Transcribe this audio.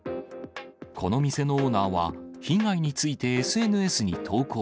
この店のオーナーは、被害についてＳＮＳに投稿。